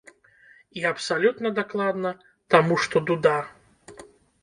І абсалютна дакладна, таму што дуда.